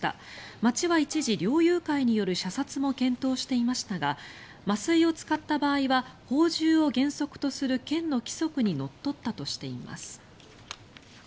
町は一時、猟友会による射殺も検討していましたが麻酔を使った場合は放獣を原則とする県の規則にのっとったとしています。